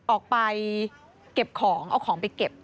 ออกไปเก็บของเอาของไปเก็บ